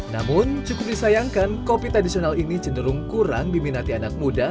namun cukup disayangkan kopi tradisional ini cenderung kurang diminati anak muda